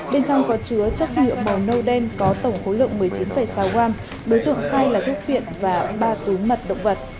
bên trong có chứa chất nhựa bò nâu đen có tổng khối lượng một mươi chín sáu quang đối tượng khai là thuốc phiện và ba túi mật động vật